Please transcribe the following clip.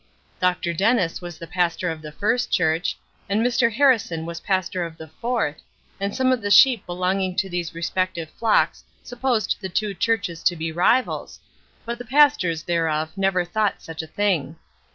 Dr. Dennis was pastor of the First Church, and Mr. Harrison was pastor of the Fourth, and some of the sheep belonging to these respective flocks supposed the two churches to be rivals, but the pastors thereof never thought of such a thing.